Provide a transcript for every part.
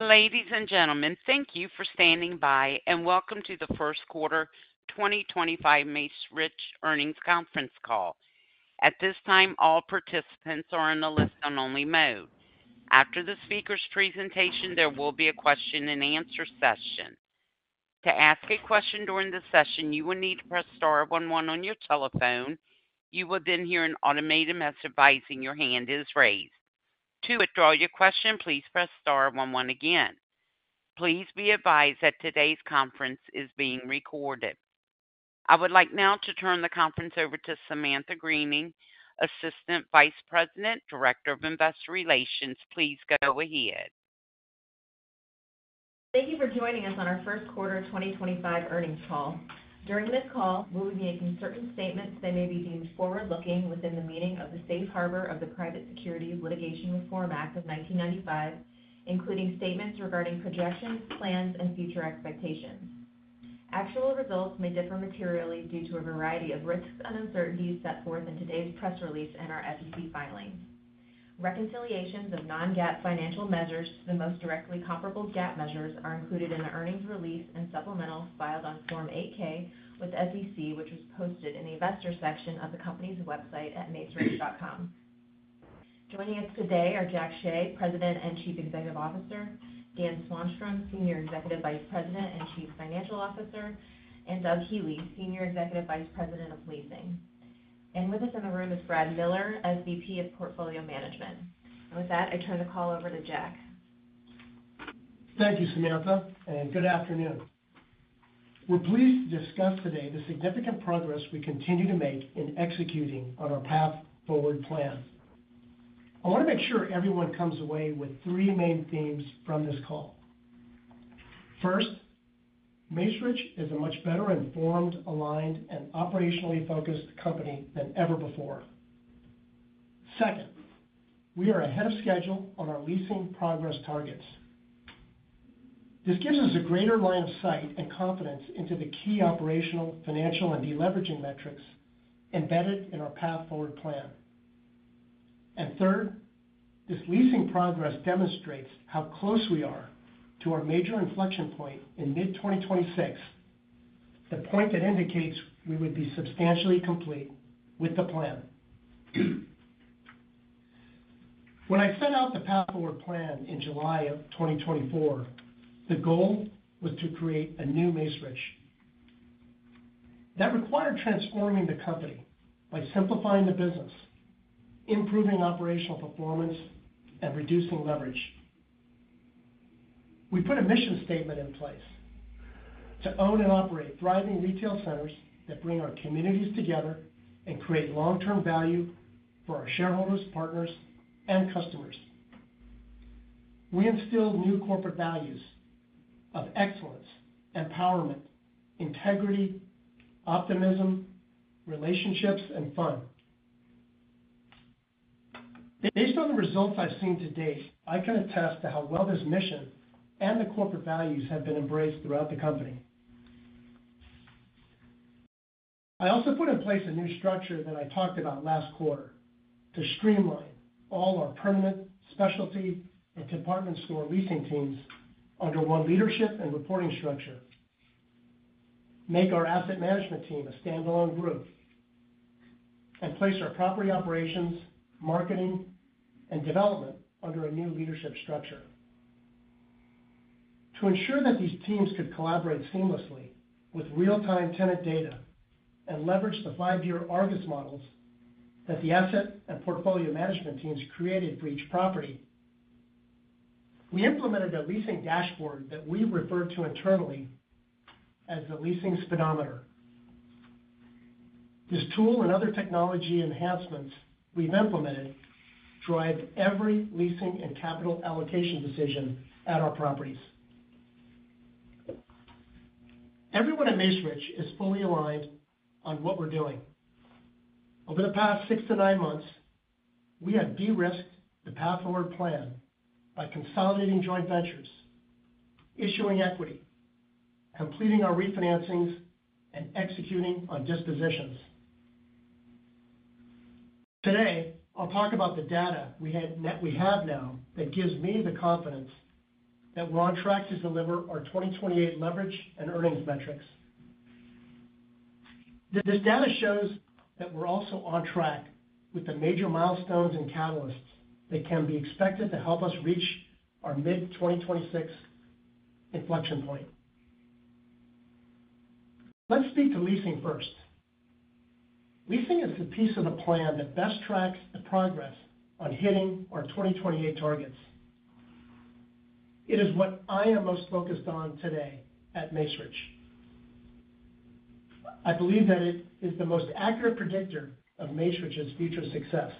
Ladies and gentlemen, thank you for standing by, and welcome to the First Quarter 2025 Macerich Earnings Conference Call. At this time, all participants are on a listen-only mode. After the speaker's presentation, there will be a question-and-answer session. To ask a question during this session, you will need to press star one one on your telephone. You will then hear an automated message advising your hand is raised. To withdraw your question, please press star one one again. Please be advised that today's conference is being recorded. I would like now to turn the conference over to Samantha Greening, Assistant Vice President, Director of Investor Relations. Please go ahead. Thank you for joining us on our First Quarter 2025 Earnings Call. During this call, we will be making certain statements that may be deemed forward-looking within the meaning of the Safe Harbor of the Private Securities Litigation Reform Act of 1995, including statements regarding projections, plans, and future expectations. Actual results may differ materially due to a variety of risks and uncertainties set forth in today's press release and our SEC filings. Reconciliations of non-GAAP financial measures to the most directly comparable GAAP measures are included in the earnings release and supplemental filed on Form 8K with SEC, which was posted in the Investor section of the company's website at macerich.com. Joining us today are Jack Hsieh, President and Chief Executive Officer; Dan Swanstrom, Senior Executive Vice President and Chief Financial Officer; and Doug Healey, Senior Executive Vice President of Leasing.With us in the room is Brad Miller, SVP of Portfolio Management. With that, I turn the call over to Jack. Thank you, Samantha, and good afternoon. We're pleased to discuss today the significant progress we continue to make in executing on our path forward plan. I want to make sure everyone comes away with three main themes from this call. First, Macerich is a much better informed, aligned, and operationally focused company than ever before. Second, we are ahead of schedule on our leasing progress targets. This gives us a greater line of sight and confidence into the key operational, financial, and deleveraging metrics embedded in our path forward plan. Third, this leasing progress demonstrates how close we are to our major inflection point in mid-2026, the point that indicates we would be substantially complete with the plan. When I set out the path forward plan in July of 2024, the goal was to create a new Macerich. That required transforming the company by simplifying the business, improving operational performance, and reducing leverage. We put a mission statement in place to own and operate thriving retail centers that bring our communities together and create long-term value for our shareholders, partners, and customers. We instilled new corporate values of excellence, empowerment, integrity, optimism, relationships, and fun. Based on the results I've seen to date, I can attest to how well this mission and the corporate values have been embraced throughout the company. I also put in place a new structure that I talked about last quarter to streamline all our permanent, specialty, and department store leasing teams under one leadership and reporting structure, make our asset management team a standalone group, and place our property operations, marketing, and development under a new leadership structure. To ensure that these teams could collaborate seamlessly with real-time tenant data and leverage the five-year Argus models that the asset and portfolio management teams created for each property, we implemented a leasing dashboard that we refer to internally as the Leasing Speedometer. This tool and other technology enhancements we've implemented drive every leasing and capital allocation decision at our properties. Everyone at Macerich is fully aligned on what we're doing. Over the past six to nine months, we have de-risked the Path Forward Plan by consolidating joint ventures, issuing equity, completing our refinancings, and executing on dispositions. Today, I'll talk about the data we have now that gives me the confidence that we're on track to deliver our 2028 leverage and earnings metrics. This data shows that we're also on track with the major milestones and catalysts that can be expected to help us reach our mid-2026 inflection point. Let's speak to leasing first. Leasing is the piece of the plan that best tracks the progress on hitting our 2028 targets. It is what I am most focused on today at Macerich. I believe that it is the most accurate predictor of Macerich's future success.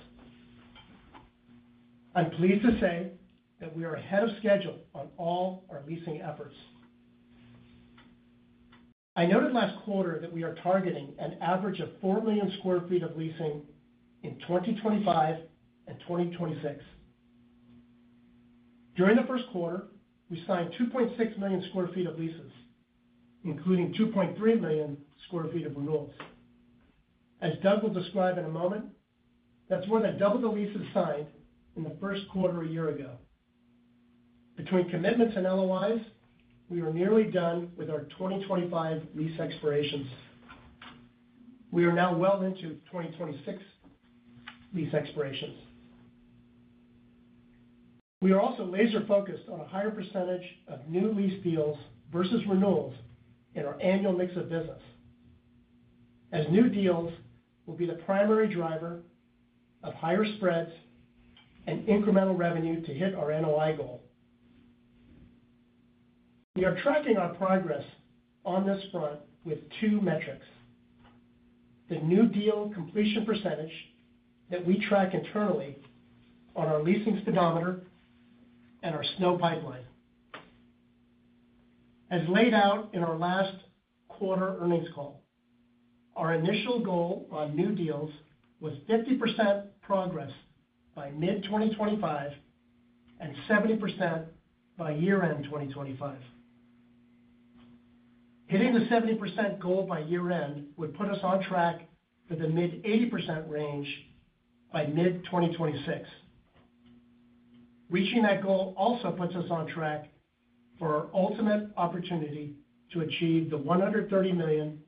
I'm pleased to say that we are ahead of schedule on all our leasing efforts. I noted last quarter that we are targeting an average of 4 million sq ft of leasing in 2025 and 2026. During the first quarter, we signed 2.6 million sq ft of leases, including 2.3 million sq ft of renewals. As Doug will describe in a moment, that's more than double the leases signed in the first quarter a year ago. Between commitments and LOIs, we are nearly done with our 2025 lease expirations. We are now well into 2026 lease expirations. We are also laser-focused on a higher percentage of new lease deals versus renewals in our annual mix of business, as new deals will be the primary driver of higher spreads and incremental revenue to hit our NOI goal. We are tracking our progress on this front with two metrics: the new deal completion percentage that we track internally on our Leasing Speedometer and our SNO Pipeline. As laid out in our last quarter earnings call, our initial goal on new deals was 50% progress by mid-2025 and 70% by year-end 2025. Hitting the 70% goal by year-end would put us on track for the mid-80% range by mid-2026. Reaching that goal also puts us on track for our ultimate opportunity to achieve the $130 million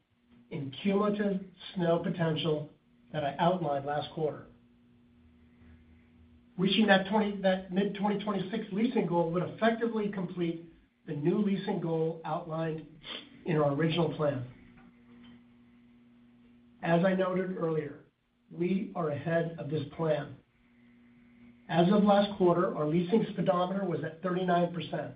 in cumulative SNO potential that I outlined last quarter. Reaching that mid-2026 leasing goal would effectively complete the new leasing goal outlined in our original plan. As I noted earlier, we are ahead of this plan. As of last quarter, our Leasing Speedometer was at 39%.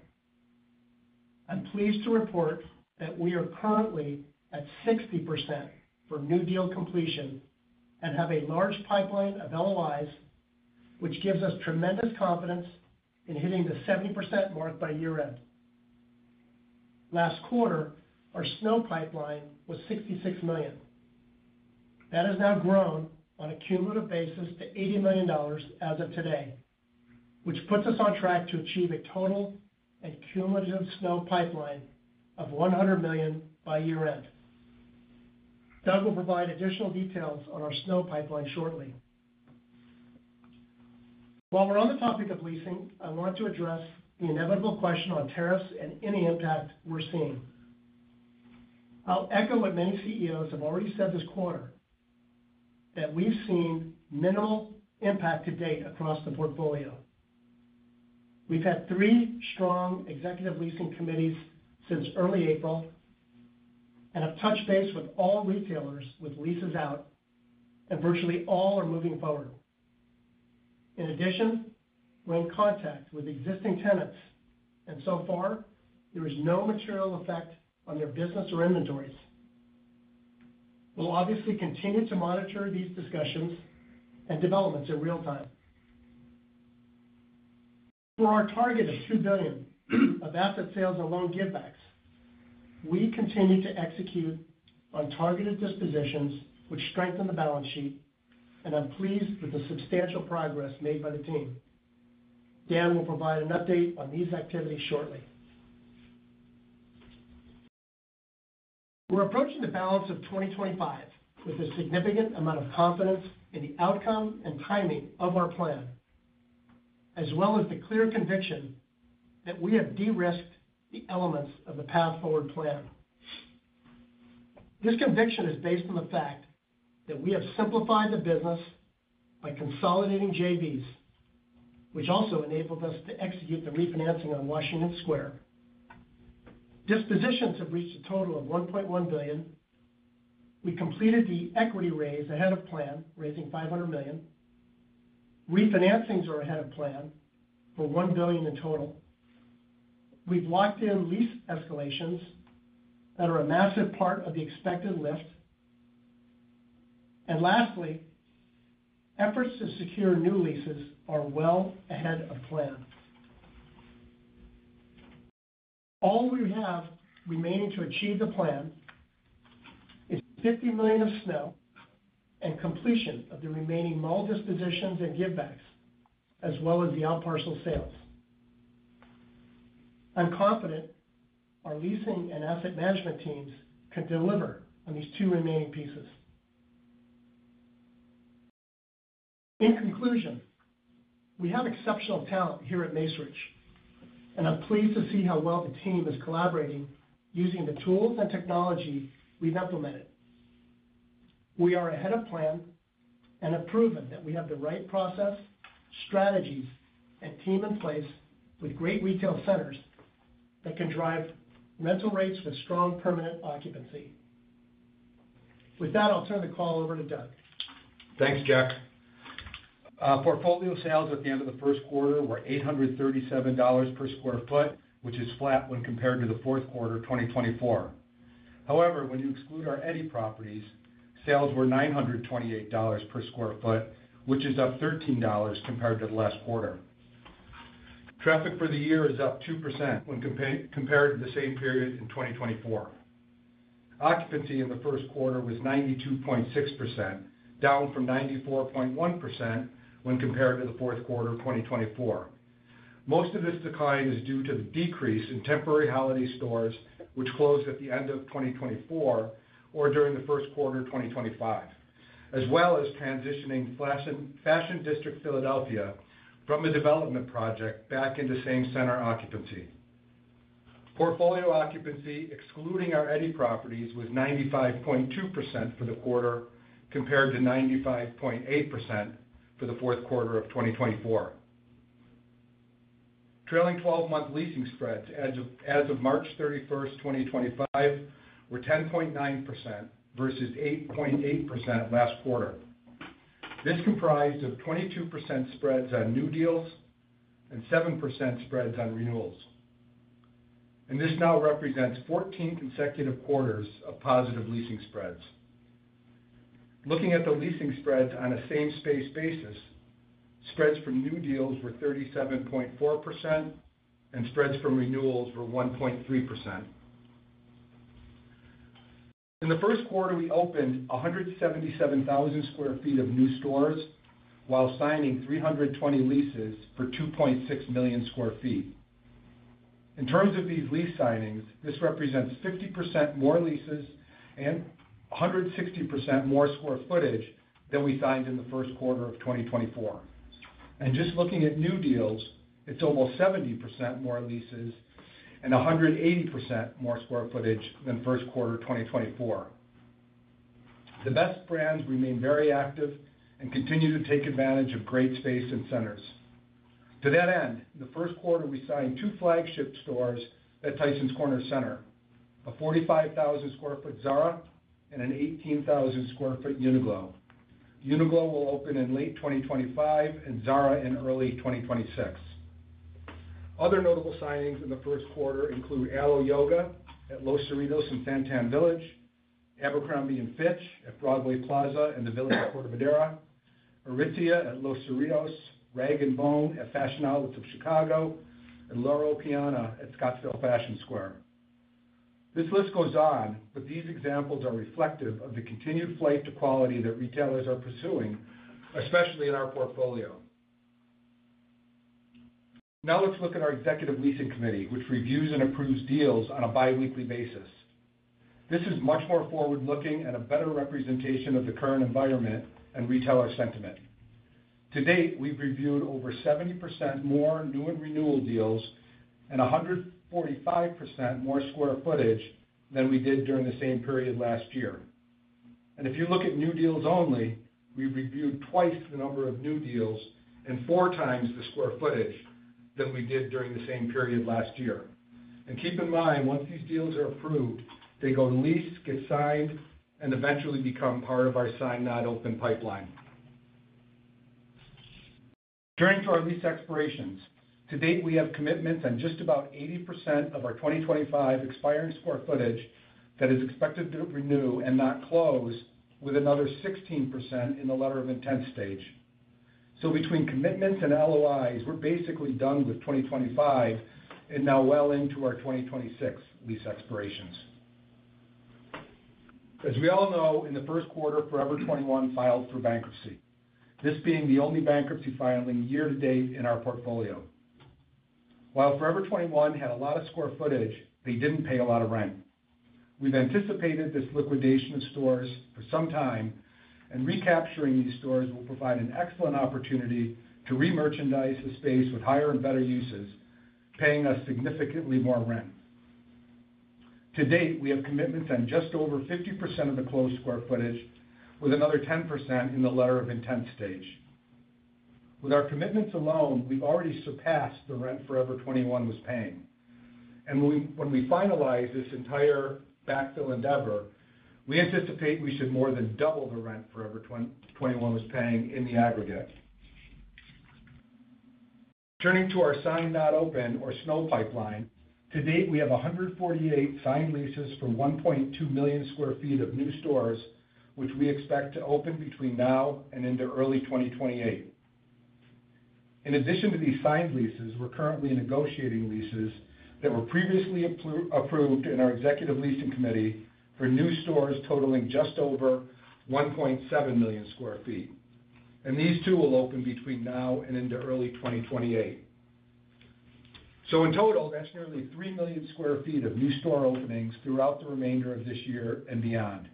I'm pleased to report that we are currently at 60% for new deal completion and have a large pipeline of LOIs, which gives us tremendous confidence in hitting the 70% mark by year-end. Last quarter, our SNO pipeline was $66 million. That has now grown on a cumulative basis to $80 million as of today, which puts us on track to achieve a total and cumulative SNO pipeline of $100 million by year-end. Doug will provide additional details on our SNO pipeline shortly. While we're on the topic of leasing, I want to address the inevitable question on tariffs and any impact we're seeing. I'll echo what many CEOs have already said this quarter, that we've seen minimal impact to date across the portfolio. We've had three strong Executive Leasing Committees since early April and have touched base with all retailers with leases out, and virtually all are moving forward. In addition, we're in contact with existing tenants, and so far, there is no material effect on their business or inventories. We'll obviously continue to monitor these discussions and developments in real time. For our target of $2 billion of asset sales and loan give-backs, we continue to execute on targeted dispositions, which strengthen the balance sheet, and I'm pleased with the substantial progress made by the team. Dan will provide an update on these activities shortly. We're approaching the balance of 2025 with a significant amount of confidence in the outcome and timing of our plan, as well as the clear conviction that we have de-risked the elements of the Path Forward Plan. This conviction is based on the fact that we have simplified the business by consolidating JVs, which also enabled us to execute the refinancing on Washington Square. Dispositions have reached a total of $1.1 billion. We completed the equity raise ahead of plan, raising $500 million. Refinancings are ahead of plan for $1 billion in total. We've locked in lease escalations that are a massive part of the expected lift. Lastly, efforts to secure new leases are well ahead of plan. All we have remaining to achieve the plan is $50 million of SNO and completion of the remaining mall dispositions and give-backs, as well as the outparcel sales. I'm confident our leasing and asset management teams can deliver on these two remaining pieces. In conclusion, we have exceptional talent here at Macerich, and I'm pleased to see how well the team is collaborating using the tools and technology we've implemented. We are ahead of plan and have proven that we have the right process, strategies, and team in place with great retail centers that can drive rental rates with strong permanent occupancy. With that, I'll turn the call over to Doug. Thanks, Jack. Portfolio sales at the end of the first quarter were $837 per sq ft, which is flat when compared to the fourth quarter 2024. However, when you exclude our Eddy properties, sales were $928 per sq ft, which is up $13 compared to the last quarter. Traffic for the year is up 2% when compared to the same period in 2024. Occupancy in the first quarter was 92.6%, down from 94.1% when compared to the fourth quarter 2024. Most of this decline is due to the decrease in temporary holiday stores, which closed at the end of 2024 or during the first quarter 2025, as well as transitioning Fashion District Philadelphia from a development project back into same-center occupancy. Portfolio occupancy, excluding our Eddy properties, was 95.2% for the quarter compared to 95.8% for the fourth quarter of 2024. Trailing 12-month leasing spreads as of March 31st, 2025, were 10.9% versus 8.8% last quarter. This comprised 22% spreads on new deals and 7% spreads on renewals. This now represents 14 consecutive quarters of positive leasing spreads. Looking at the leasing spreads on a same-space basis, spreads from new deals were 37.4%, and spreads from renewals were 1.3%. In the first quarter, we opened 177,000 sq ft of new stores while signing 320 leases for 2.6 million sq ft. In terms of these lease signings, this represents 50% more leases and 160% more square footage than we signed in the first quarter of 2024. Just looking at new deals, it is almost 70% more leases and 180% more square footage than first quarter 2024. The best brands remain very active and continue to take advantage of great space and centers. To that end, in the first quarter, we signed two flagship stores at Tyson's Corner Center, a 45,000 sq ft Zara and an 18,000 sq ft Uniqlo. Uniqlo will open in late 2025 and Zara in early 2026. Other notable signings in the first quarter include Alo Yoga at Los Cerritos and Santan Village, Abercrombie & Fitch at Broadway Plaza and the Village of Corte Madera, Aritzia at Los Cerritos, Rag & Bone at Fashion Outlets of Chicago, and Loro Piana at Scottsdale Fashion Square. This list goes on, but these examples are reflective of the continued flight to quality that retailers are pursuing, especially in our portfolio. Now let's look at our Executive Leasing Committee, which reviews and approves deals on a biweekly basis. This is much more forward-looking and a better representation of the current environment and retailer sentiment. To date, we've reviewed over 70% more new and renewal deals and 145% more square footage than we did during the same period last year. If you look at new deals only, we've reviewed twice the number of new deals and four times the square footage than we did during the same period last year. Keep in mind, once these deals are approved, they go to lease, get signed, and eventually become part of our sign-not-open pipeline. Turning to our lease expirations, to date, we have commitments on just about 80% of our 2025 expiring square footage that is expected to renew and not close, with another 16% in the letter of intent stage. Between commitments and LOIs, we're basically done with 2025 and now well into our 2026 lease expirations. As we all know, in the first quarter, Forever 21 filed for bankruptcy, this being the only bankruptcy filing year-to-date in our portfolio. While Forever 21 had a lot of square footage, they did not pay a lot of rent. We have anticipated this liquidation of stores for some time, and recapturing these stores will provide an excellent opportunity to re-merchandise the space with higher and better uses, paying us significantly more rent. To date, we have commitments on just over 50% of the closed square footage, with another 10% in the letter of intent stage. With our commitments alone, we have already surpassed the rent Forever 21 was paying. When we finalize this entire backfill endeavor, we anticipate we should more than double the rent Forever 21 was paying in the aggregate. Turning to our sign-not-open or SNO pipeline, to date, we have 148 signed leases for 1.2 million sq ft of new stores, which we expect to open between now and into early 2028. In addition to these signed leases, we're currently negotiating leases that were previously approved in our Executive Leasing Committee for new stores totaling just over 1.7 million sq ft. These too will open between now and into early 2028. In total, that's nearly 3 million sq ft of new store openings throughout the remainder of this year and beyond.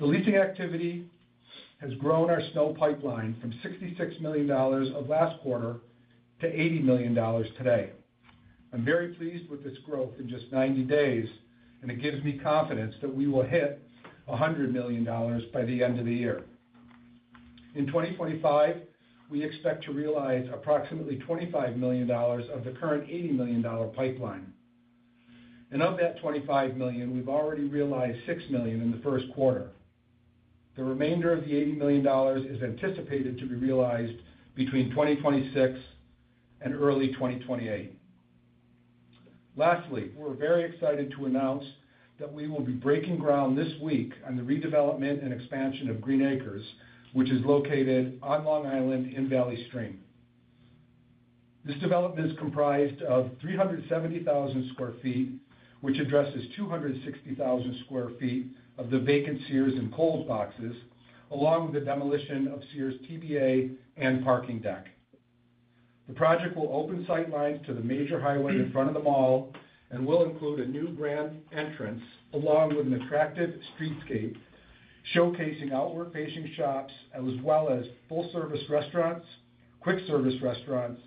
The leasing activity has grown our SNO pipeline from $66 million last quarter to $80 million today. I'm very pleased with this growth in just 90 days, and it gives me confidence that we will hit $100 million by the end of the year. In 2025, we expect to realize approximately $25 million of the current $80 million pipeline. Of that $25 million, we have already realized $6 million in the first quarter. The remainder of the $80 million is anticipated to be realized between 2026 and early 2028. Lastly, we are very excited to announce that we will be breaking ground this week on the redevelopment and expansion of Green Acres, which is located on Long Island in Valley Stream. This development is comprised of 370,000 sq ft, which addresses 260,000 sq ft of the vacant Sears and Kohl's boxes, along with the demolition of Sears TBA and parking deck. The project will open sightlines to the major highway in front of the mall and will include a new grand entrance along with an attractive streetscape showcasing outward-facing shops, as well as full-service restaurants, quick-service restaurants,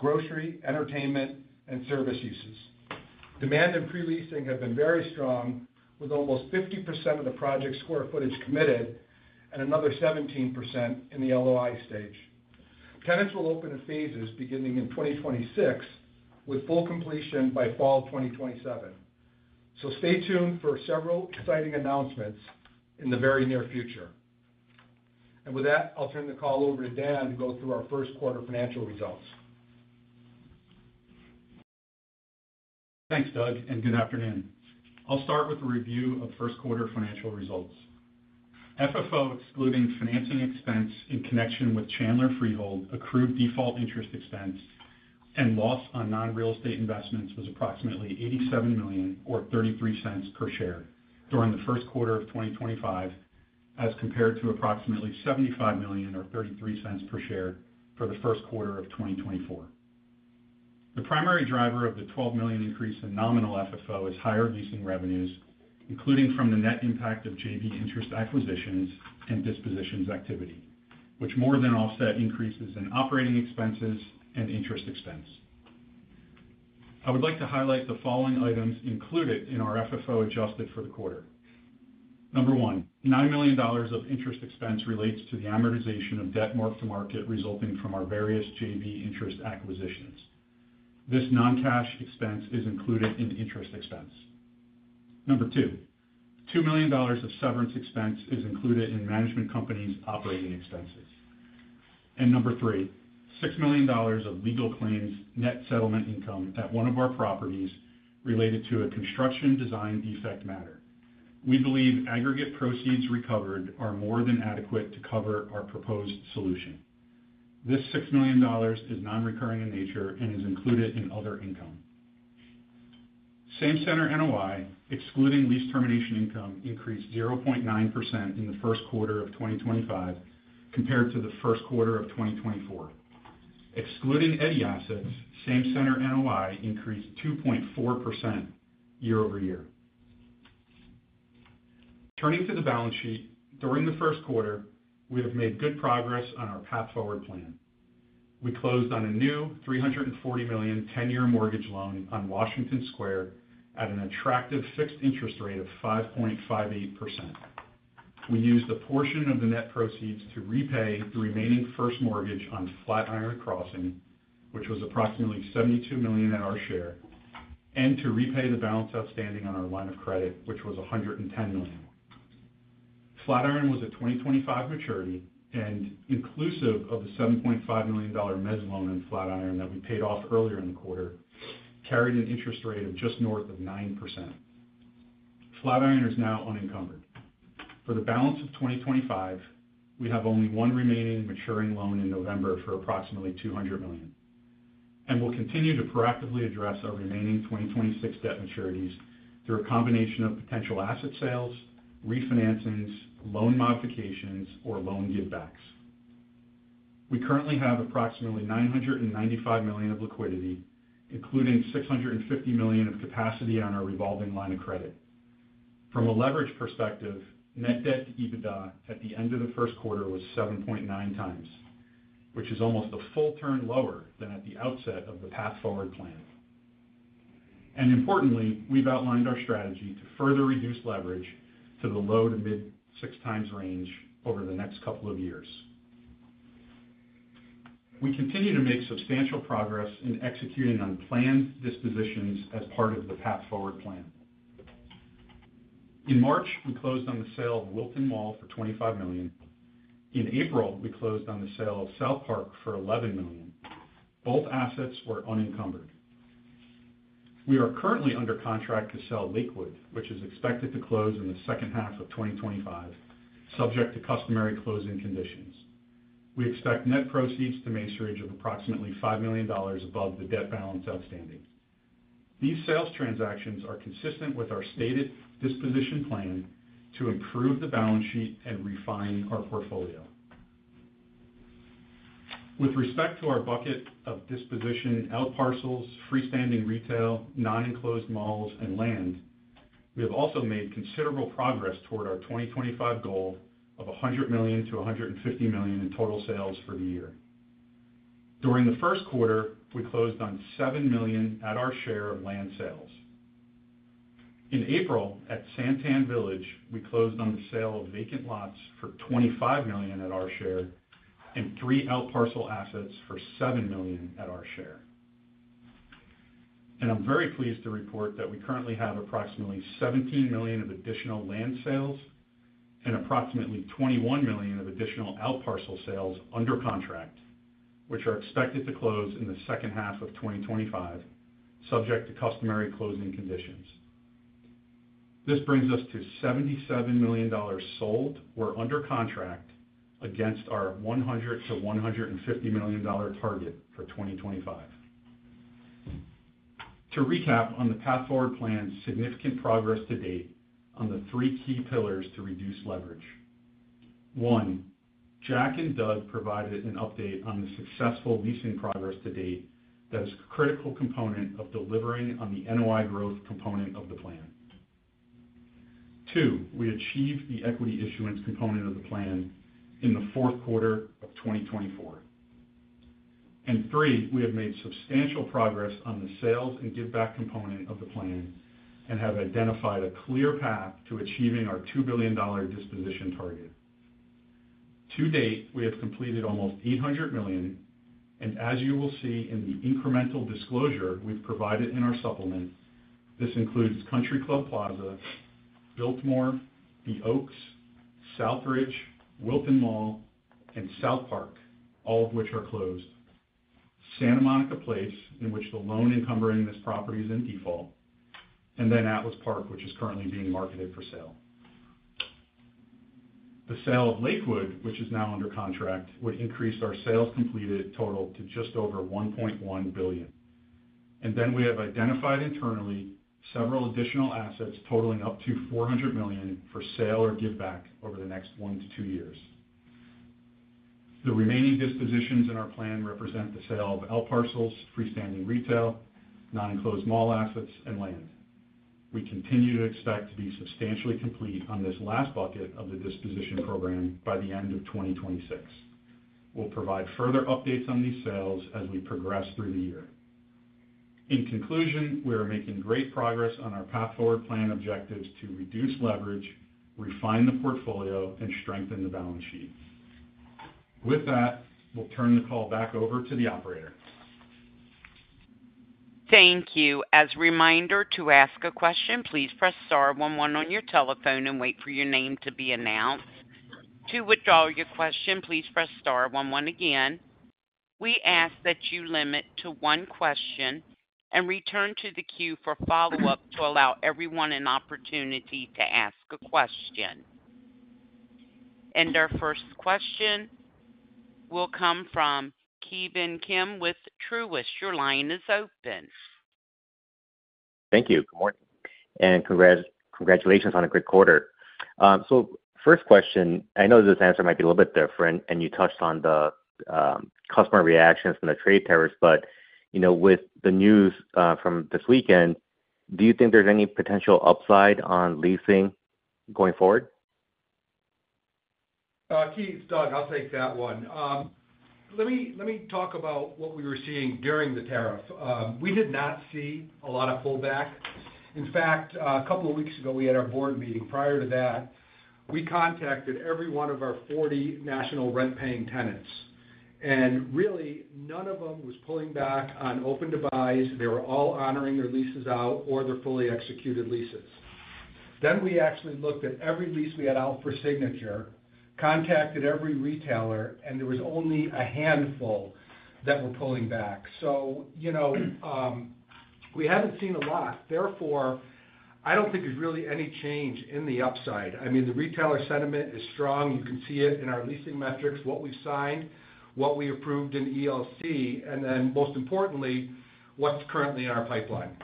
grocery, entertainment, and service uses. Demand and pre-leasing have been very strong, with almost 50% of the project square footage committed and another 17% in the LOI stage. Tenants will open in phases beginning in 2026, with full completion by fall 2027. Stay tuned for several exciting announcements in the very near future. With that, I'll turn the call over to Dan to go through our first quarter financial results. Thanks, Doug, and good afternoon. I'll start with a review of first quarter financial results. FFO, excluding financing expense in connection with Chandler Freehold, accrued default interest expense and loss on non-real estate investments, was approximately $87 million or $0.33 per share during the first quarter of 2025, as compared to approximately $75 million or $0.33 per share for the first quarter of 2024. The primary driver of the $12 million increase in nominal FFO is higher leasing revenues, including from the net impact of JV interest acquisitions and dispositions activity, which more than offset increases in operating expenses and interest expense. I would like to highlight the following items included in our FFO adjusted for the quarter. Number one, $9 million of interest expense relates to the amortization of debt mark-to-market resulting from our various JV interest acquisitions. This non-cash expense is included in interest expense. Number two, $2 million of severance expense is included in management company's operating expenses. Number three, $6 million of legal claims net settlement income at one of our properties related to a construction design defect matter. We believe aggregate proceeds recovered are more than adequate to cover our proposed solution. This $6 million is non-recurring in nature and is included in other income. Same-center NOI, excluding lease termination income, increased 0.9% in the first quarter of 2025 compared to the first quarter of 2024. Excluding Eddy assets, same-center NOI increased 2.4% year over year. Turning to the balance sheet, during the first quarter, we have made good progress on our path forward plan. We closed on a new $340 million 10-year mortgage loan on Washington Square at an attractive fixed interest rate of 5.58%. We used a portion of the net proceeds to repay the remaining first mortgage on Flatiron Crossing, which was approximately $72 million in our share, and to repay the balance outstanding on our line of credit, which was $110 million. Flatiron was at 2025 maturity, and inclusive of the $7.5 million mezzo loan in Flatiron that we paid off earlier in the quarter, carried an interest rate of just north of 9%. Flatiron is now unencumbered. For the balance of 2025, we have only one remaining maturing loan in November for approximately $200 million. We will continue to proactively address our remaining 2026 debt maturities through a combination of potential asset sales, refinancings, loan modifications, or loan give-backs. We currently have approximately $995 million of liquidity, including $650 million of capacity on our revolving line of credit. From a leverage perspective, net debt to EBITDA at the end of the first quarter was 7.9 times, which is almost a full turn lower than at the outset of the Path Forward Plan. Importantly, we've outlined our strategy to further reduce leverage to the low to mid-six times range over the next couple of years. We continue to make substantial progress in executing on planned dispositions as part of the Path Forward Plan. In March, we closed on the sale of Wilton Mall for $25 million. In April, we closed on the sale of South Park for $11 million. Both assets were unencumbered. We are currently under contract to sell Lakewood, which is expected to close in the second half of 2025, subject to customary closing conditions. We expect net proceeds to Macerich of approximately $5 million above the debt balance outstanding. These sales transactions are consistent with our stated disposition plan to improve the balance sheet and refine our portfolio. With respect to our bucket of disposition, outparcels, freestanding retail, non-enclosed malls, and land, we have also made considerable progress toward our 2025 goal of $100 million-$150 million in total sales for the year. During the first quarter, we closed on $7 million at our share of land sales. In April, at Santan Village, we closed on the sale of vacant lots for $25 million at our share and three outparcel assets for $7 million at our share. I am very pleased to report that we currently have approximately $17 million of additional land sales and approximately $21 million of additional outparcel sales under contract, which are expected to close in the second half of 2025, subject to customary closing conditions. This brings us to $77 million sold or under contract against our $100-$150 million target for 2025. To recap on the path forward plan's significant progress to date on the three key pillars to reduce leverage. One, Jack and Doug provided an update on the successful leasing progress to date that is a critical component of delivering on the NOI growth component of the plan. Two, we achieved the equity issuance component of the plan in the fourth quarter of 2024. Three, we have made substantial progress on the sales and give-back component of the plan and have identified a clear path to achieving our $2 billion disposition target. To date, we have completed almost $800 million, and as you will see in the incremental disclosure we have provided in our supplement, this includes Country Club Plaza, Biltmore, The Oaks, Southridge, Wilton Mall, and South Park, all of which are closed, Santa Monica Place, in which the loan encumbering this property is in default, and then Atlas Park, which is currently being marketed for sale. The sale of Lakewood, which is now under contract, would increase our sales completed total to just over $1.1 billion. We have identified internally several additional assets totaling up to $400 million for sale or give-back over the next one to two years. The remaining dispositions in our plan represent the sale of outparcels, freestanding retail, non-enclosed mall assets, and land. We continue to expect to be substantially complete on this last bucket of the disposition program by the end of 2026. We'll provide further updates on these sales as we progress through the year. In conclusion, we are making great progress on our Path Forward Plan objectives to reduce leverage, refine the portfolio, and strengthen the balance sheet. With that, we'll turn the call back over to the operator. Thank you. As a reminder to ask a question, please press star one one on your telephone and wait for your name to be announced. To withdraw your question, please press star one one again. We ask that you limit to one question and return to the queue for follow-up to allow everyone an opportunity to ask a question. Our first question will come from Ki Bin Kim with Truist. Your line is open. Thank you. Good morning. Congratulations on a great quarter. First question, I know this answer might be a little bit different, and you touched on the customer reactions from the trade tariffs, but with the news from this weekend, do you think there's any potential upside on leasing going forward? Keith, Doug, I'll take that one. Let me talk about what we were seeing during the tariff. We did not see a lot of pullback. In fact, a couple of weeks ago, we had our board meeting. Prior to that, we contacted every one of our 40 national rent-paying tenants. And really, none of them was pulling back on open to buys. They were all honoring their leases out or their fully executed leases. Then we actually looked at every lease we had out for signature, contacted every retailer, and there was only a handful that were pulling back. We haven't seen a lot. Therefore, I don't think there's really any change in the upside. I mean, the retailer sentiment is strong. You can see it in our leasing metrics, what we've signed, what we approved in ELC, and then most importantly, what's currently in our pipeline.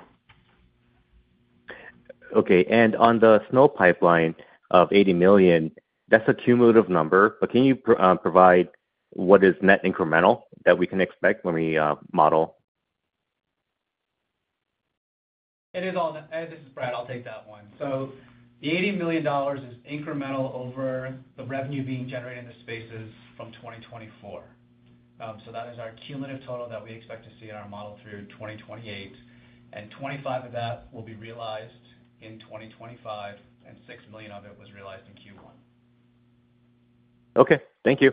Okay. On the SNO pipeline of $80 million, that's a cumulative number, but can you provide what is net incremental that we can expect when we model? It is all net. This is Brad. I'll take that one. The $80 million is incremental over the revenue being generated in the spaces from 2024. That is our cumulative total that we expect to see in our model through 2028. Twenty-five of that will be realized in 2025, and $6 million of it was realized in Q1. Okay. Thank you.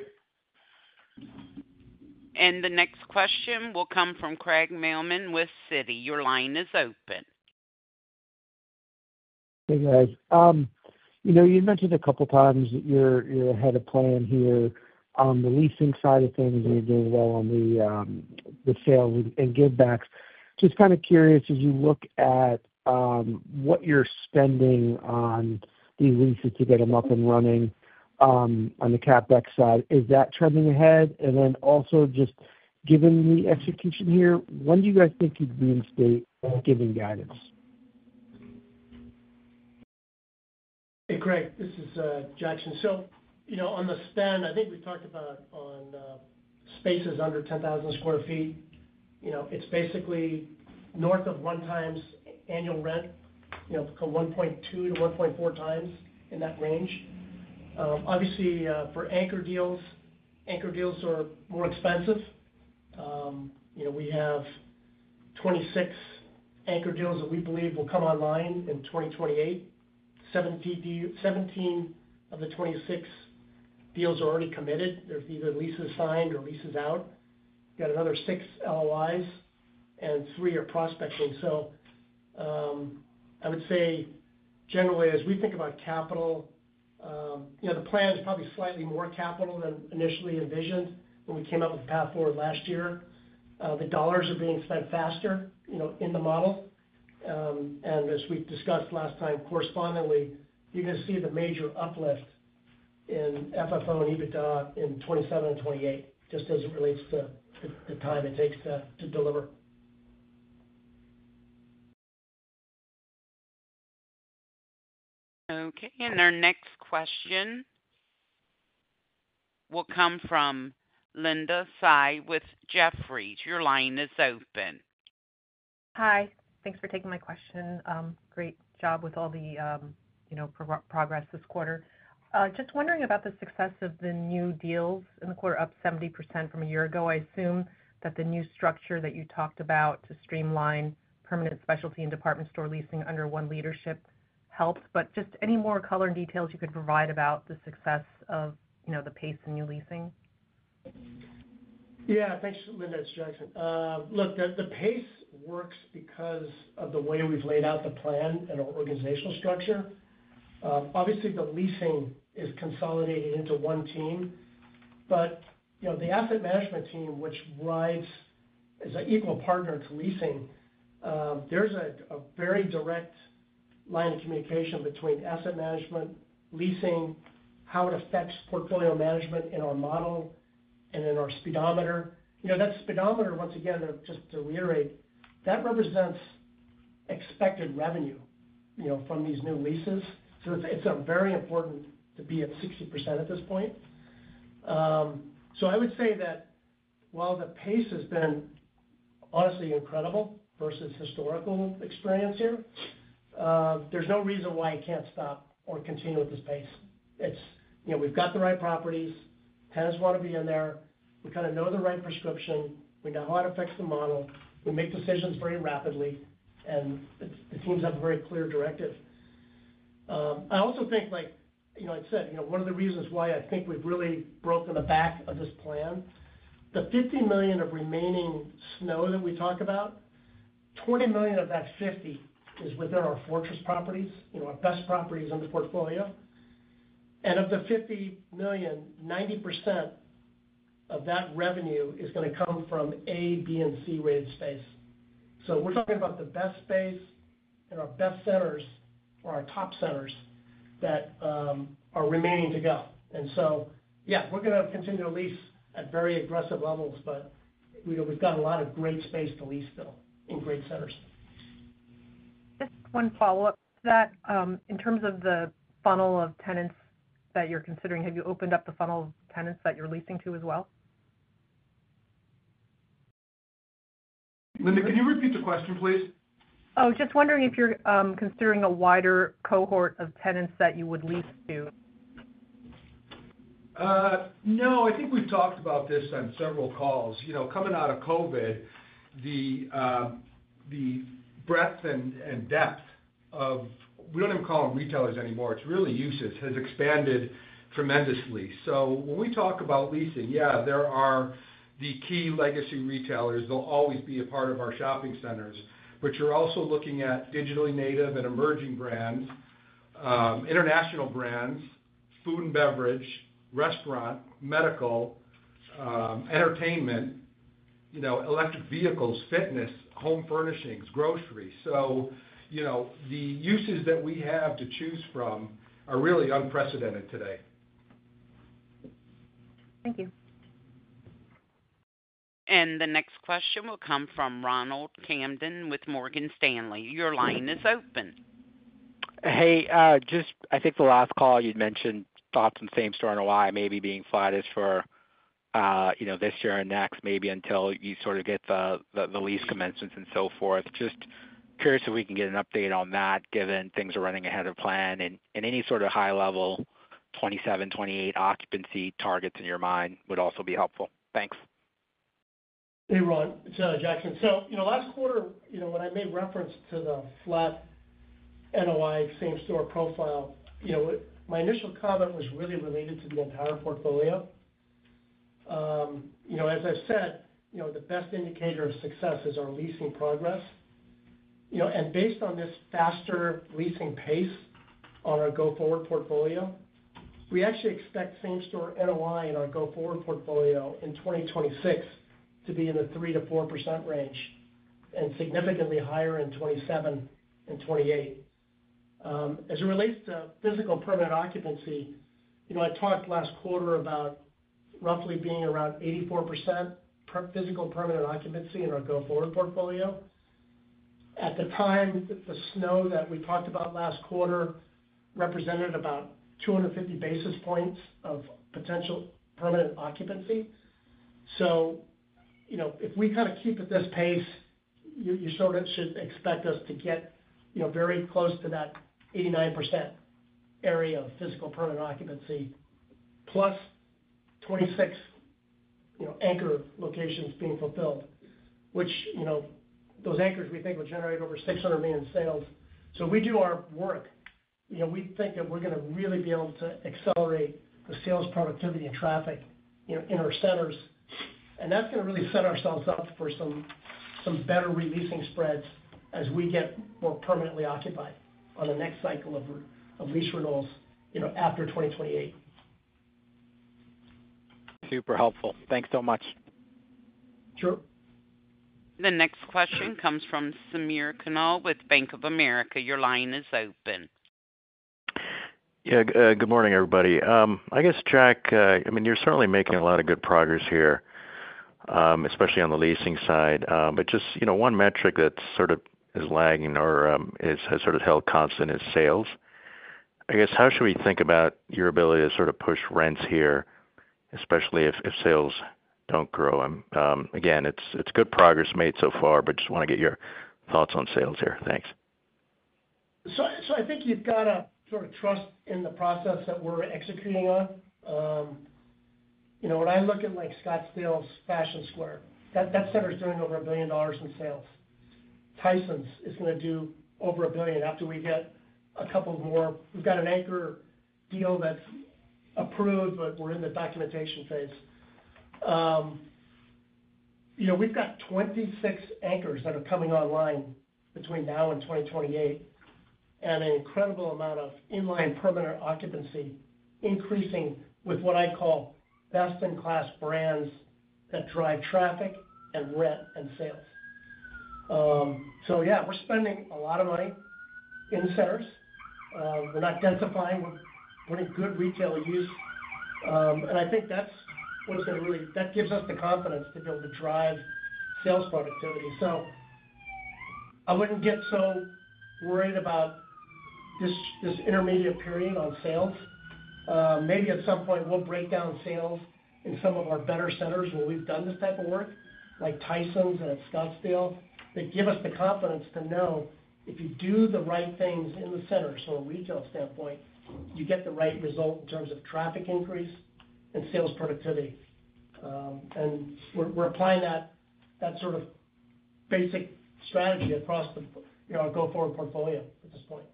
The next question will come from Craig Mailman with Citi. Your line is open. Hey, guys. You mentioned a couple of times that you're ahead of plan here on the leasing side of things and you're doing well on the sales and give-backs. Just kind of curious, as you look at what you're spending on the leases to get them up and running on the CapEx side, is that trending ahead? Also, just given the execution here, when do you guys think you'd be in state giving guidance? Hey, Craig. This is Jackson. On the spend, I think we talked about on spaces under 10,000 sq ft, it is basically north of one times annual rent, $1.2-$1.4 times in that range. Obviously, for anchor deals, anchor deals are more expensive. We have 26 anchor deals that we believe will come online in 2028. 17 of the 26 deals are already committed. There are either leases signed or leases out. You have another six LOIs, and three are prospecting. I would say, generally, as we think about capital, the plan is probably slightly more capital than initially envisioned when we came up with the path forward last year. The dollars are being spent faster in the model. As we discussed last time, correspondingly, you're going to see the major uplift in FFO and EBITDA in 2027 and 2028, just as it relates to the time it takes to deliver. Okay. Our next question will come from Linda Tsai with Jefferies. Your line is open. Hi. Thanks for taking my question. Great job with all the progress this quarter. Just wondering about the success of the new deals in the quarter, up 70% from a year ago. I assume that the new structure that you talked about to streamline permanent specialty and department store leasing under one leadership helps. Just any more color and details you could provide about the success of the pace and new leasing? Yeah. Thanks, Linda. It's Jackson. Look, the pace works because of the way we've laid out the plan and our organizational structure. Obviously, the leasing is consolidated into one team. The asset management team, which rides as an equal partner to leasing, there's a very direct line of communication between asset management, leasing, how it affects portfolio management in our model, and in our speedometer. That speedometer, once again, just to reiterate, that represents expected revenue from these new leases. It's very important to be at 60% at this point. I would say that while the pace has been honestly incredible versus historical experience here, there's no reason why it can't stop or continue at this pace. We've got the right properties. Tenants want to be in there. We kind of know the right prescription. We know how to fix the model. We make decisions very rapidly, and the teams have a very clear directive. I also think, like I said, one of the reasons why I think we've really broken the back of this plan, the $50 million of remaining SNO that we talk about, $20 million of that $50 million is within our fortress properties, our best properties in the portfolio. Of the $50 million, 90% of that revenue is going to come from A, B, and C rated space. We are talking about the best space and our best centers or our top centers that are remaining to go. Yeah, we are going to continue to lease at very aggressive levels, but we've got a lot of great space to lease still in great centers. Just one follow-up to that. In terms of the funnel of tenants that you're considering, have you opened up the funnel of tenants that you're leasing to as well? Linda, can you repeat the question, please? Oh, just wondering if you're considering a wider cohort of tenants that you would lease to. No, I think we've talked about this on several calls. Coming out of COVID, the breadth and depth of—we don't even call them retailers anymore. It's really uses—has expanded tremendously. When we talk about leasing, yeah, there are the key legacy retailers. They'll always be a part of our shopping centers, but you're also looking at digitally native and emerging brands, international brands, food and beverage, restaurant, medical, entertainment, electric vehicles, fitness, home furnishings, groceries. The uses that we have to choose from are really unprecedented today. Thank you. The next question will come from Ronald Camden with Morgan Stanley. Your line is open. Hey, just I think the last call you'd mentioned thoughts on same store and why maybe being flat as for this year and next, maybe until you sort of get the lease commencements and so forth. Just curious if we can get an update on that, given things are running ahead of plan. Any sort of high-level 2027, 2028 occupancy targets in your mind would also be helpful. Thanks. Hey, Ron. It's Jackson. Last quarter, when I made reference to the flat NOI same store profile, my initial comment was really related to the entire portfolio. As I've said, the best indicator of success is our leasing progress. Based on this faster leasing pace on our go-forward portfolio, we actually expect same store NOI in our go-forward portfolio in 2026 to be in the 3%-4% range and significantly higher in 2027 and 2028. As it relates to physical permanent occupancy, I talked last quarter about roughly being around 84% physical permanent occupancy in our go-forward portfolio. At the time, the SNO that we talked about last quarter represented about 250 basis points of potential permanent occupancy. If we kind of keep at this pace, you sort of should expect us to get very close to that 89% area of physical permanent occupancy, plus 26 anchor locations being fulfilled, which those anchors we think will generate over $600 million sales. If we do our work, we think that we're going to really be able to accelerate the sales productivity and traffic in our centers. That's going to really set ourselves up for some better releasing spreads as we get more permanently occupied on the next cycle of lease renewals after 2028. Super helpful. Thanks so much. Sure. The next question comes from Samir Khanal with Bank of America. Your line is open. Yeah. Good morning, everybody. I guess, Jack, I mean, you're certainly making a lot of good progress here, especially on the leasing side. Just one metric that sort of is lagging or has sort of held constant is sales. I guess, how should we think about your ability to sort of push rents here, especially if sales don't grow? Again, it's good progress made so far, just want to get your thoughts on sales here. Thanks. I think you've got to sort of trust in the process that we're executing on. When I look at Scottsdale Fashion Square, that center is doing over $1 billion in sales. Tyson's is going to do over $1 billion after we get a couple more. We've got an anchor deal that's approved, but we're in the documentation phase. We've got 26 anchors that are coming online between now and 2028 and an incredible amount of inline permanent occupancy increasing with what I call best-in-class brands that drive traffic and rent and sales. Yeah, we're spending a lot of money in centers. We're not densifying. We're putting good retail use. I think that's what's going to really—that gives us the confidence to be able to drive sales productivity. I wouldn't get so worried about this intermediate period on sales. Maybe at some point, we'll break down sales in some of our better centers where we've done this type of work, like Tyson's and at Scottsdale. They give us the confidence to know if you do the right things in the center from a retail standpoint, you get the right result in terms of traffic increase and sales productivity. We're applying that sort of basic strategy across our go-forward portfolio at this point.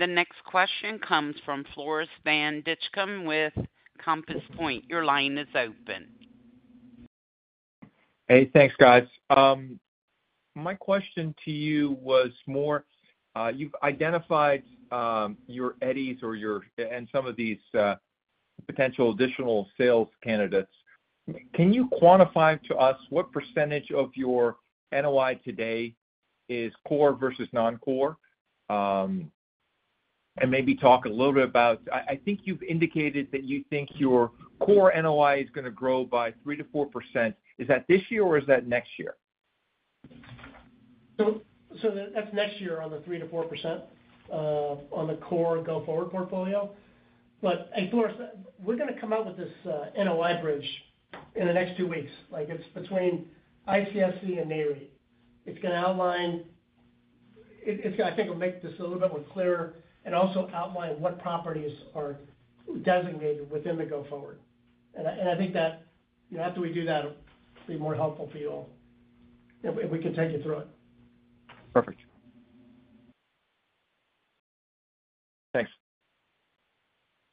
The next question comes from Floris van Dijkum from Compass Point Your line is open. Hey, thanks, guys. My question to you was more, you've identified your eddies or your—and some of these potential additional sales candidates. Can you quantify to us what percentage of your NOI today is core versus non-core? And maybe talk a little bit about—I think you've indicated that you think your core NOI is going to grow by 3-4%. Is that this year or is that next year? That's next year on the 3%-4% on the core go-forward portfolio. Hey, Floris, we're going to come out with this NOI bridge in the next two weeks. It's between ICSC and Nayrie. It's going to outline—I think it'll make this a little bit more clear and also outline what properties are designated within the go-forward. I think that after we do that, it'll be more helpful for you all if we can take you through it. Perfect. Thanks.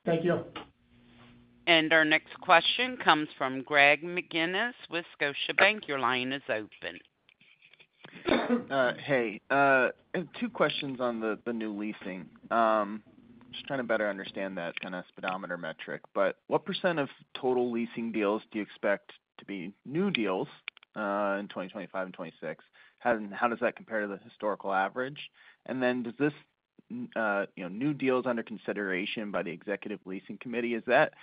Thank you. Our next question comes from Greg McGinnis with Scotia Bank. Your line is open. Hey, two questions on the new leasing. Just trying to better understand that kind of speedometer metric. What % of total leasing deals do you expect to be new deals in 2025 and 2026? How does that compare to the historical average? Does this new deal is under consideration by the Executive Leasing Committee. Is that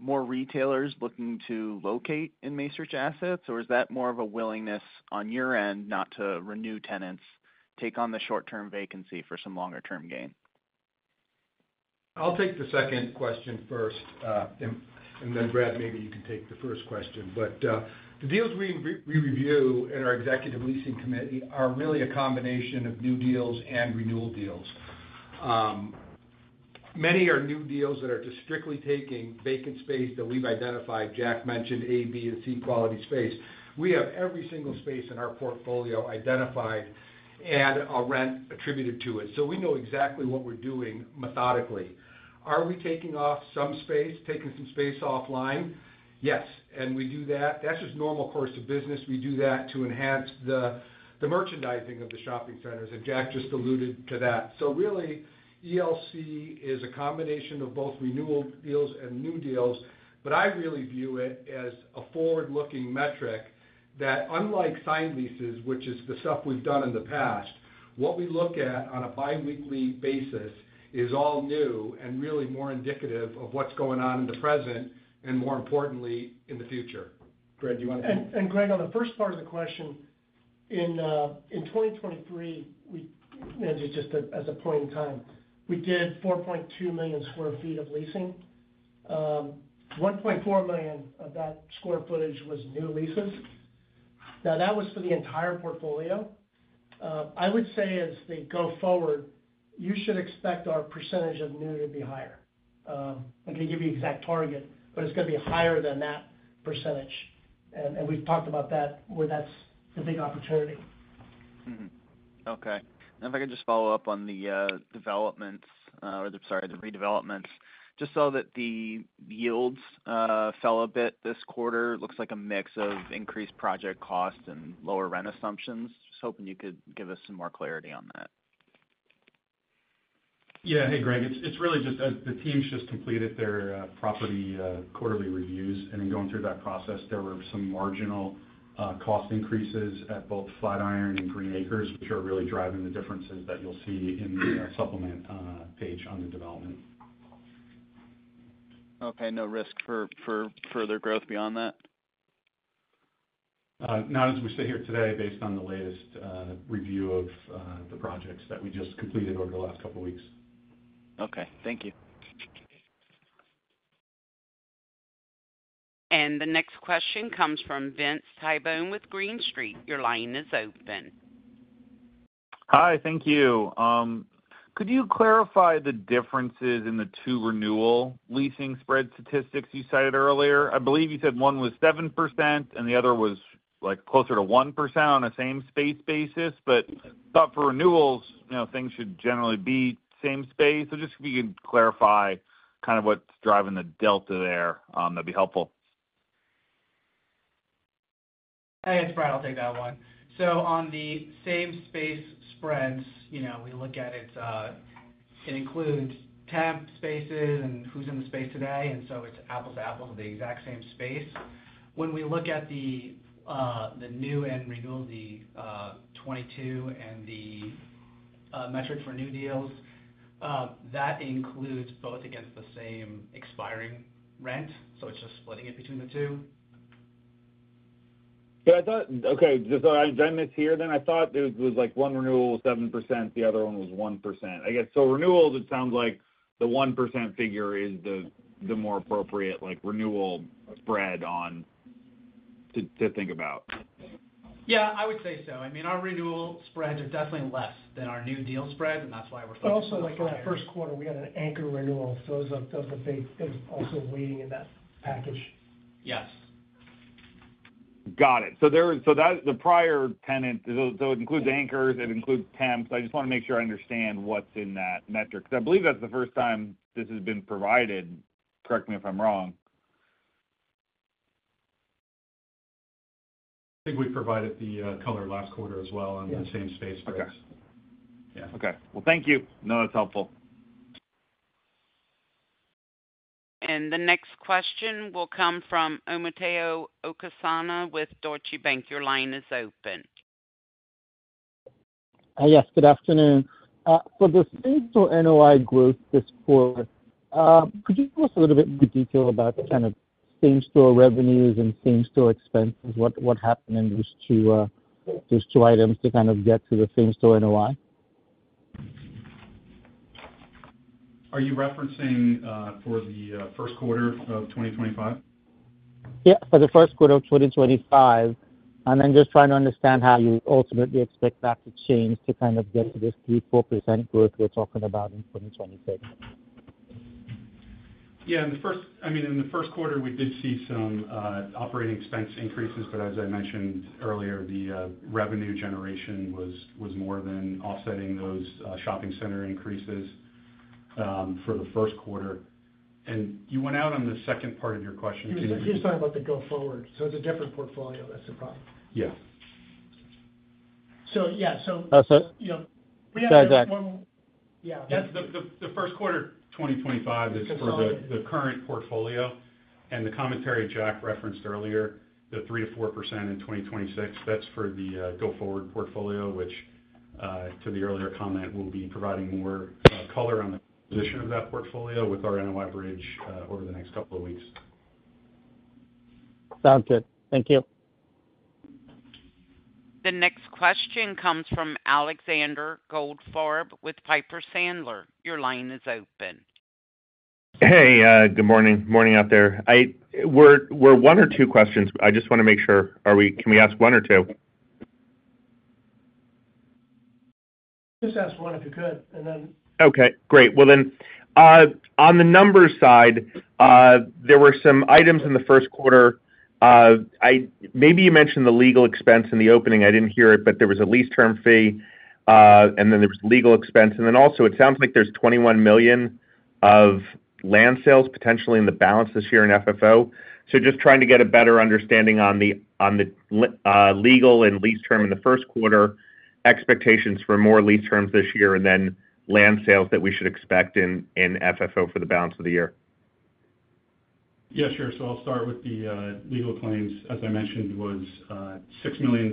more retailers looking to locate in Macerich assets, or is that more of a willingness on your end not to renew tenants, take on the short-term vacancy for some longer-term gain? I'll take the second question first. Then, Brad, maybe you can take the first question. The deals we review in our Executive Leasing Committee are really a combination of new deals and renewal deals. Many are new deals that are just strictly taking vacant space that we've identified. Jack mentioned A, B, and C quality space. We have every single space in our portfolio identified and a rent attributed to it. We know exactly what we're doing methodically. Are we taking off some space, taking some space offline? Yes. We do that. That's just normal course of business. We do that to enhance the merchandising of the shopping centers. Jack just alluded to that. Really, ELC is a combination of both renewal deals and new deals. I really view it as a forward-looking metric that, unlike signed leases, which is the stuff we've done in the past, what we look at on a biweekly basis is all new and really more indicative of what's going on in the present and, more importantly, in the future. Brad, do you want to? And Greg, on the first part of the question, in 2023, just as a point in time, we did 4.2 million sq ft of leasing. 1.4 million of that square footage was new leases. Now, that was for the entire portfolio. I would say as they go forward, you should expect our percentage of new to be higher. I can't give you an exact target, but it's going to be higher than that percentage. We've talked about that where that's the big opportunity. Okay. If I could just follow up on the developments or, sorry, the redevelopments, just so that the yields fell a bit this quarter. It looks like a mix of increased project costs and lower rent assumptions. Just hoping you could give us some more clarity on that. Yeah. Hey, Greg, it's really just as the team's just completed their property quarterly reviews and then going through that process, there were some marginal cost increases at both Flatiron and Green Acres, which are really driving the differences that you'll see in the supplement page on the development. Okay. No risk for further growth beyond that? Not as we sit here today, based on the latest review of the projects that we just completed over the last couple of weeks. Okay. Thank you. The next question comes from Vince Tybone with Green Street. Your line is open. Hi. Thank you. Could you clarify the differences in the two renewal leasing spread statistics you cited earlier? I believe you said one was 7% and the other was closer to 1% on a same space basis. I thought for renewals, things should generally be same space. Just if you can clarify kind of what's driving the delta there, that'd be helpful. Hey, it's Brad. I'll take that one. On the same space spreads, we look at it. It includes temp spaces and who's in the space today. It is apples to apples of the exact same space. When we look at the new and renewal, the 2022 and the metric for new deals, that includes both against the same expiring rent. It is just splitting it between the two. Yeah. Okay. Did I mishear then? I thought it was like one renewal was 7%, the other one was 1%. I guess. So renewals, it sounds like the 1% figure is the more appropriate renewal spread to think about. Yeah. I would say so. I mean, our renewal spreads are definitely less than our new deal spreads, and that's why we're focusing on that. Also in that first quarter, we had an anchor renewal. That was a big thing also waiting in that package. Yes. Got it. The prior tenant, so it includes anchors, it includes temps. I just want to make sure I understand what's in that metric. Because I believe that's the first time this has been provided. Correct me if I'm wrong. I think we provided the color last quarter as well on the same space, but yeah. Okay. Thank you. No, that's helpful. The next question will come from Omotayo Okusanya with Deutsche Bank. Your line is open. Hi, yes. Good afternoon. For the same store NOI growth this quarter, could you give us a little bit more detail about kind of same store revenues and same store expenses? What happened in those two items to kind of get to the same store NOI? Are you referencing for the first quarter of 2025? Yeah. For the first quarter of 2025. And then just trying to understand how you ultimately expect that to change to kind of get to this 3-4% growth we're talking about in 2026. Yeah. I mean, in the first quarter, we did see some operating expense increases. As I mentioned earlier, the revenue generation was more than offsetting those shopping center increases for the first quarter. You went out on the second part of your question because you are talking about the go-forward. It is a different portfolio. That is the problem. Yeah. Yeah. We have one. That's exactly. Yeah. The first quarter 2025 is for the current portfolio. The commentary Jack referenced earlier, the 3-4% in 2026, that's for the go-forward portfolio, which to the earlier comment, we'll be providing more color on the position of that portfolio with our NOI bridge over the next couple of weeks. Sounds good. Thank you. The next question comes from Alexander Goldfarb with Piper Sandler. Your line is open. Hey, good morning. Morning out there. We're one or two questions. I just want to make sure. Can we ask one or two? Just ask one if you could, and then. Okay. Great. On the numbers side, there were some items in the first quarter. Maybe you mentioned the legal expense in the opening. I did not hear it, but there was a lease term fee, and then there was legal expense. It also sounds like there is $21 million of land sales potentially in the balance this year in FFO. I am just trying to get a better understanding on the legal and lease term in the first quarter, expectations for more lease terms this year, and then land sales that we should expect in FFO for the balance of the year. Yeah. Sure. I'll start with the legal claims. As I mentioned, it was $6 million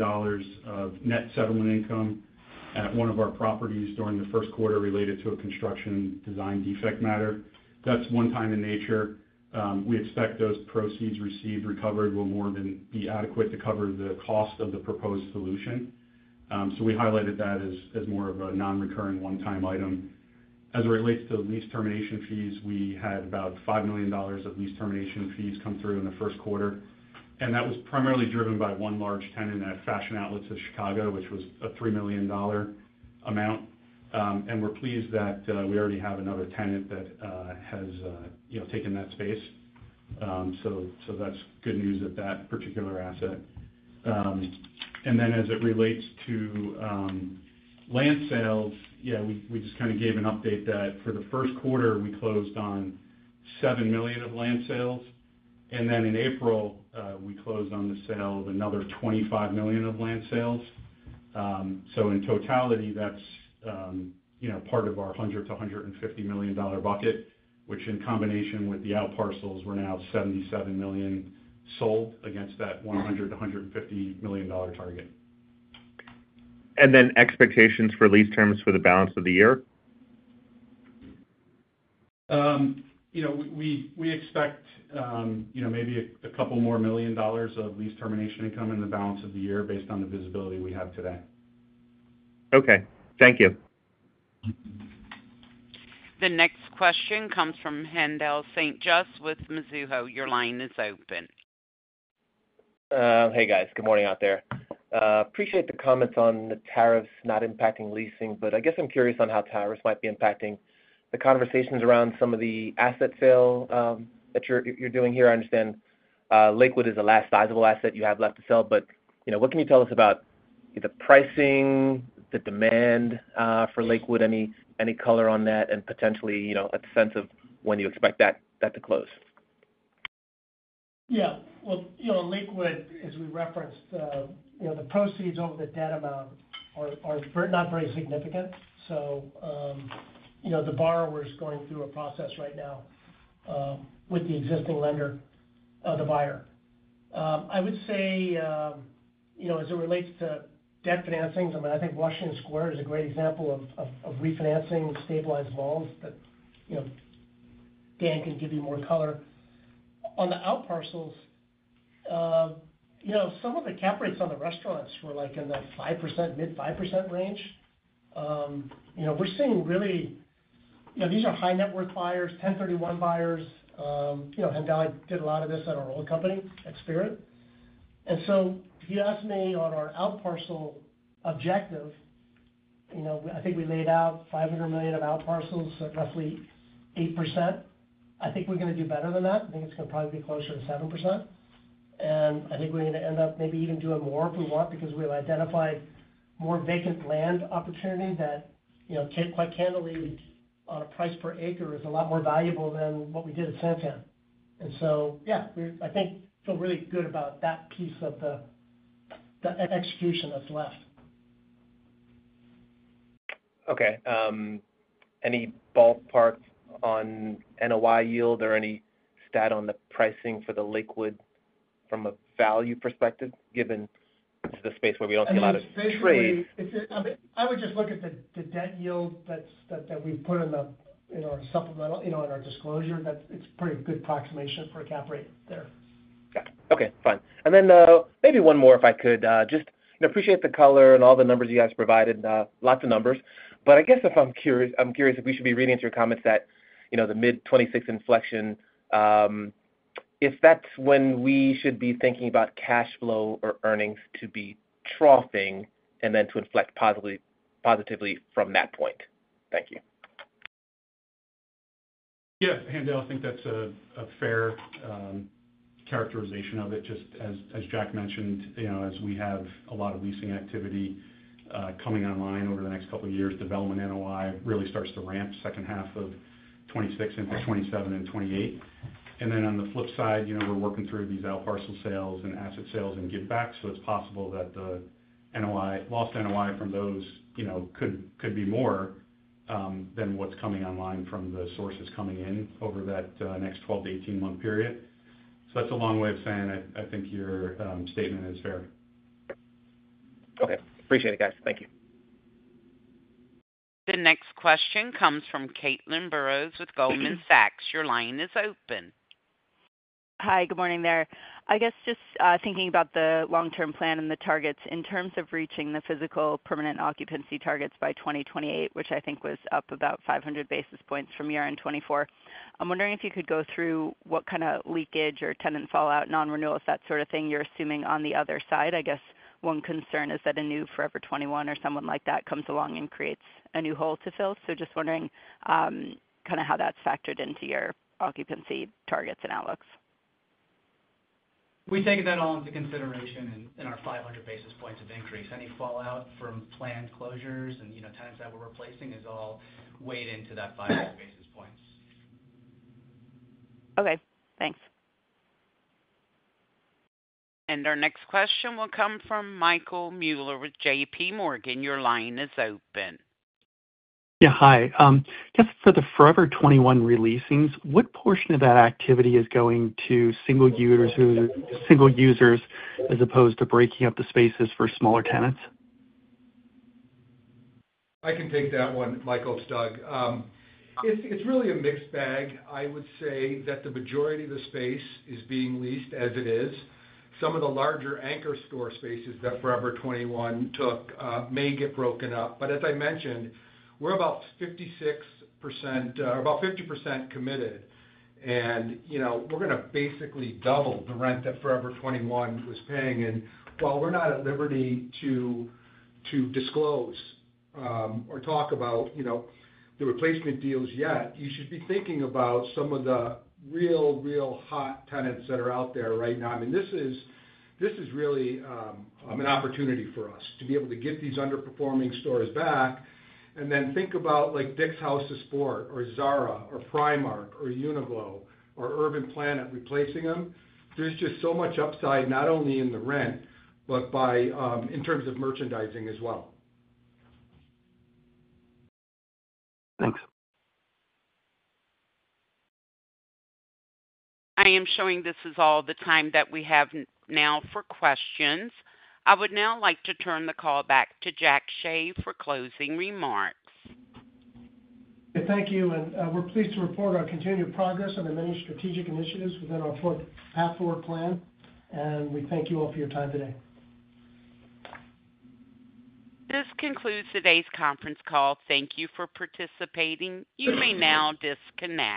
of net settlement income at one of our properties during the first quarter related to a construction design defect matter. That's one-time in nature. We expect those proceeds received recovered will more than be adequate to cover the cost of the proposed solution. We highlighted that as more of a non-recurring one-time item. As it relates to lease termination fees, we had about $5 million of lease termination fees come through in the first quarter. That was primarily driven by one large tenant at Fashion Outlets of Chicago, which was a $3 million amount. We're pleased that we already have another tenant that has taken that space. That's good news at that particular asset. As it relates to land sales, yeah, we just kind of gave an update that for the first quarter, we closed on $7 million of land sales. In April, we closed on the sale of another $25 million of land sales. In totality, that is part of our $100 million-$150 million bucket, which in combination with the outparcels, we are now $77 million sold against that $100 million-$150 million target. Expectations for lease terms for the balance of the year? We expect maybe a couple more million dollars of lease termination income in the balance of the year based on the visibility we have today. Okay. Thank you. The next question comes from Handeel St. Juste with Mizuho. Your line is open. Hey, guys. Good morning out there. Appreciate the comments on the tariffs not impacting leasing, but I guess I'm curious on how tariffs might be impacting the conversations around some of the asset sale that you're doing here. I understand Lakewood is the last sizable asset you have left to sell. What can you tell us about the pricing, the demand for Lakewood, any color on that, and potentially a sense of when you expect that to close? Yeah. Liquid, as we referenced, the proceeds over the debt amount are not very significant. The borrower is going through a process right now with the existing lender, the buyer. I would say as it relates to debt financing, I mean, I think Washington Square is a great example of refinancing, stabilized loans that Dan can give you more color. On the outparcels, some of the cap rates on the restaurants were in the 5%-mid-5% range. We're seeing really these are high-net-worth buyers, 1031 buyers. Handeel did a lot of this at our old company, Experian. If you ask me on our outparcel objective, I think we laid out $500 million of outparcels at roughly 8%. I think we're going to do better than that. I think it's going to probably be closer to 7%. I think we're going to end up maybe even doing more if we want because we've identified more vacant land opportunity that, quite candidly, on a price per acre, is a lot more valuable than what we did at Santan. I think I feel really good about that piece of the execution that's left. Okay. Any ballpark on NOI yield or any stat on the pricing for the liquid from a value perspective, given this is a space where we don't see a lot of trade? I mean, I would just look at the debt yield that we've put in our supplemental in our disclosure. It's a pretty good approximation for a cap rate there. Yeah. Okay. Fine. Maybe one more, if I could. Just appreciate the color and all the numbers you guys provided. Lots of numbers. I guess if I'm curious, I'm curious if we should be reading through comments that the mid-2026 inflection, if that's when we should be thinking about cash flow or earnings to be troughing and then to inflect positively from that point. Thank you. Yeah. Handeel, I think that's a fair characterization of it. Just as Jack mentioned, as we have a lot of leasing activity coming online over the next couple of years, development NOI really starts to ramp second half of 2026 into 2027 and 2028. On the flip side, we're working through these outparcel sales and asset sales and give-back. It's possible that the lost NOI from those could be more than what's coming online from the sources coming in over that next 12- to 18-month period. That's a long way of saying I think your statement is fair. Okay. Appreciate it, guys. Thank you. The next question comes from Caitlin Burrows with Goldman Sachs. Your line is open. Hi. Good morning there. I guess just thinking about the long-term plan and the targets in terms of reaching the physical permanent occupancy targets by 2028, which I think was up about 500 basis points from year-end 2024, I'm wondering if you could go through what kind of leakage or tenant fallout, non-renewals, that sort of thing you're assuming on the other side. I guess one concern is that a new Forever 21 or someone like that comes along and creates a new hole to fill. Just wondering kind of how that's factored into your occupancy targets and outlooks. We take that all into consideration in our 500 basis points of increase. Any fallout from planned closures and times that we're replacing is all weighed into that 500 basis points. Okay. Thanks. Our next question will come from Michael Mueller with JP Morgan. Your line is open. Yeah. Hi. Just for the Forever 21 releasings, what portion of that activity is going to single users as opposed to breaking up the spaces for smaller tenants? I can take that one, Michael Stogg. It's really a mixed bag. I would say that the majority of the space is being leased as it is. Some of the larger anchor store spaces that Forever 21 took may get broken up. As I mentioned, we're about 56% or about 50% committed. We're going to basically double the rent that Forever 21 was paying. While we're not at liberty to disclose or talk about the replacement deals yet, you should be thinking about some of the real, real hot tenants that are out there right now. I mean, this is really an opportunity for us to be able to get these underperforming stores back and then think about Dick's House of Sport or Zara or Primark or Uniqlo or Urban Planet replacing them. There's just so much upside, not only in the rent, but in terms of merchandising as well. Thanks. I am showing this is all the time that we have now for questions. I would now like to turn the call back to Jackson Hsieh for closing remarks. Thank you. We are pleased to report our continued progress on the many strategic initiatives within our Path Forward plan. We thank you all for your time today. This concludes today's conference call. Thank you for participating. You may now disconnect.